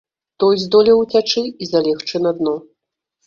Той здолеў уцячы і залегчы на дно.